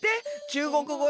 「中国語！